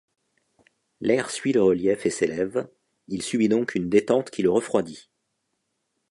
L'air suit le relief et s'élève, il subit donc une détente qui le refroidit.